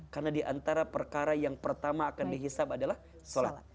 karena diantara perkara yang pertama akan dihisap adalah solat